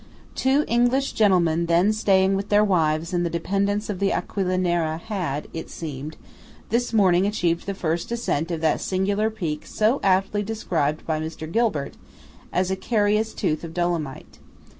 Two English gentlemen then staying with their wives in the Dependance of the Aquila Nera had, it seemed, this morning achieved the first ascent of that singular peak so aptly described by Mr. Gilbert as a "carious tooth of Dolomite."